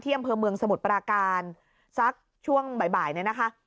อำเภอเมืองสมุทรปราการสักช่วงบ่ายเนี่ยนะคะ